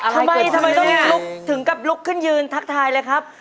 ทำไมต้องถึงกับลุกขึ้นยืนทักทายเลยครับ